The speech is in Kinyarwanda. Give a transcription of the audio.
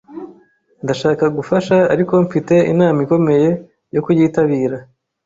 Ndashaka gufasha, ariko mfite inama ikomeye yo kuyitabira.